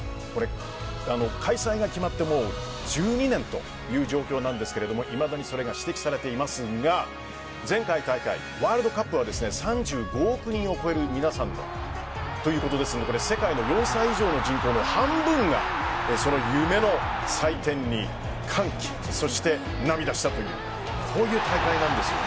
開催が決まって１２年という状況なんですがいまだにそれが指摘されていますが前回大会、ワールドカップは３５億人を超える皆さんということで世界の４歳以上の人口の半分が夢の祭典に歓喜そして涙したというこういう大会なんですよ。